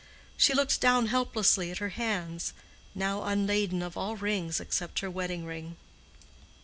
She looked down helplessly at her hands, now unladen of all rings except her wedding ring.